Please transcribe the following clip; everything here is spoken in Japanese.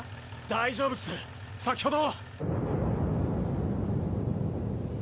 大丈夫っす先ほど。